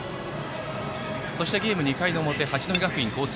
そしてゲーム２回の表八戸学院光星。